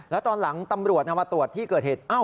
แล้วตอนหลังตำรวจมาตรวจที่เกิดเหตุ